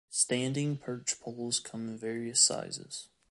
Standing perch poles come in various sizes.